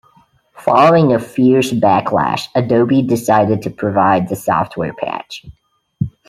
Following a fierce backlash Adobe decided to provide the software patch.